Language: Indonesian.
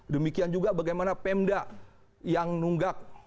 demikian juga bagaimana pemda yang nunggak